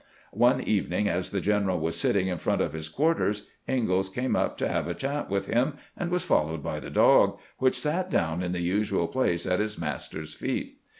One evening, as the general was sitting in front of his quarters, Ingalls came up to have a chat with him, and was followed by the dog, which sat down in the usual place at its master's feet.